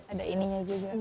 ada ininya juga